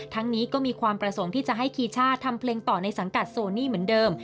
นี้ก็มีความประสงค์ที่จะให้คีช่าทำเพลงต่อในสังกัดโซนี่เหมือนเดิม